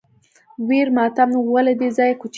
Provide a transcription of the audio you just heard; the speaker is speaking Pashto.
ویر ماتم و له دې ځایه کوچېدلی